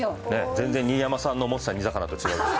全然新山さんの思ってた煮魚と違うでしょ？